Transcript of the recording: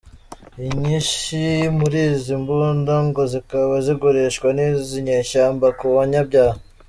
Inyinshi muri izi mbunda ngo zikaba zigurishwa n’izi nyeshyamba ku banyabyaha.